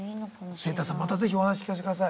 セイタさんまた是非お話聞かせてください。